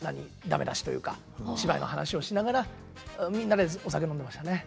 ダメ出しというか芝居の話をしながらみんなでお酒飲んでましたね。